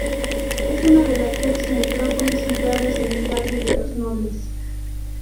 Es una de las seis necrópolis situadas en el Valle de los Nobles.